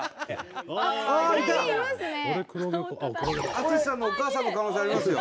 淳さんのお母さんの可能性ありますよ。